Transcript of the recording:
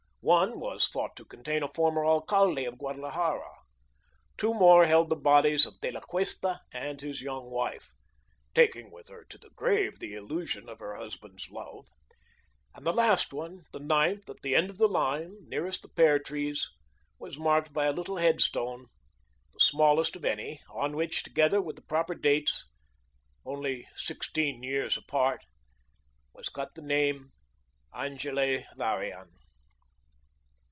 One was thought to contain a former alcalde of Guadalajara; two more held the bodies of De La Cuesta and his young wife (taking with her to the grave the illusion of her husband's love), and the last one, the ninth, at the end of the line, nearest the pear trees, was marked by a little headstone, the smallest of any, on which, together with the proper dates only sixteen years apart was cut the name "Angele Varian."